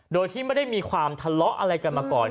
โดยที่ไม่ได้มีความทะเลาะอะไรกันมาก่อน